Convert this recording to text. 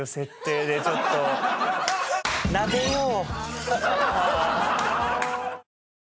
なでよう。